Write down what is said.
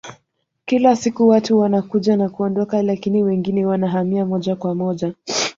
Kila siku watu wanakuja na kuondoka lakini wengine wanahamia moja kwa moja